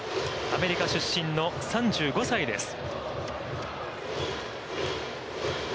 アメリカ出身の３５歳です。